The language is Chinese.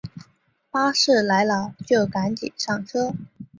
巴士来了就赶快上车